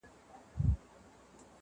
درويشتمه نکته.